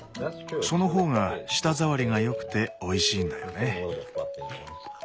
その方が舌触りが良くておいしいんだよね。